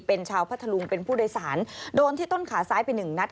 เป็นชาวพัทธลุงเป็นผู้โดยสารโดนที่ต้นขาซ้ายไปหนึ่งนัด